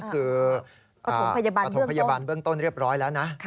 คือปฐมพยาบาลเบื้องต้นเรียบร้อยแล้วนะ